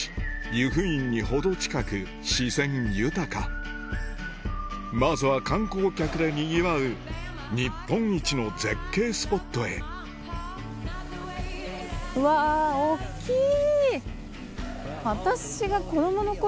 湯布院に程近く自然豊かまずは観光客でにぎわう日本一の絶景スポットへうわ大っきい！